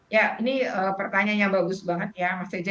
ya ini pertanyaannya bagus banget ya mas eja